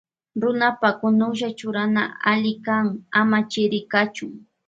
Runapa kunuklli churana alli kan ama chiri kachun.